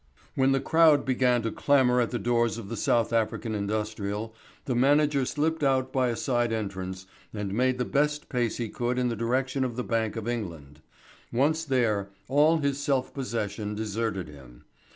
When the crowd began to clamour at the doors of the South African Industrial, the manager slipped out by a side entrance and made the best pace he could in the direction of the Bank of England. Once there, all his self possession deserted him.